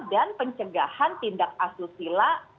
dan pencegahan tindak asusila